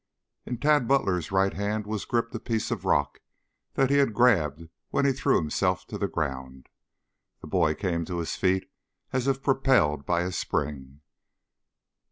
In Tad Butler's right hand was gripped a piece of rock that he had grabbed when he threw himself to the ground. The boy came to his feet as if propelled by a spring.